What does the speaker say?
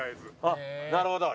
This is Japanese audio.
あっなるほど。